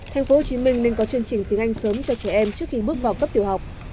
tp hcm nên có chương trình tiếng anh sớm cho trẻ em trước khi bước vào cấp tiểu học